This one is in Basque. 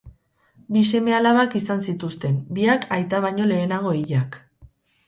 Bi seme-alabak izan zituzten, biak aita baino lehenago hilak.